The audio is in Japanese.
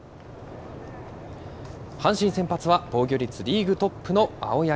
阪神先発は防御率リーグトップの青柳。